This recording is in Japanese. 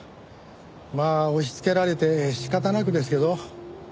まあ押しつけられて仕方なくですけど。